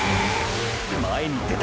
前に出た！！